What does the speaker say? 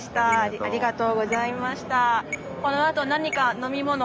ありがとう。